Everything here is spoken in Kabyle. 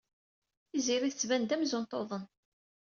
Tiziri tettban-d amzun tuḍen.